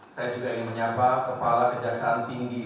saya juga ingin menyapa kepala kejaksaan tinggi